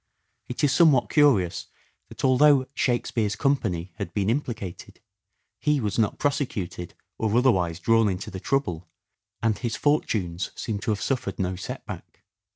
It is somewhat curious that although "Shakspere's company " had been implicated, he was not prosecuted or other wise drawn into the trouble and his fortunes seem to have suffered no setback.